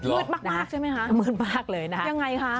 มืดมากใช่ไหมคะมืดมากเลยนะฮะ